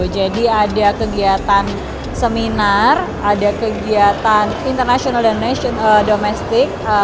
jadi ada kegiatan seminar ada kegiatan international dan domestic